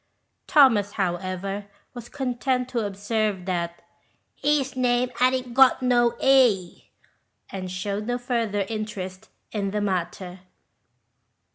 Thomas, however, was content to observe that "his name hadn't got no E," and shewed no further interest in the matter.